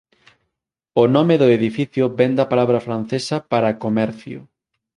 O nome do edificio vén da palabra francesa para "comercio".